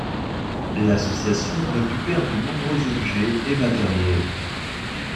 L'association récupère de nombreux objets et matériels.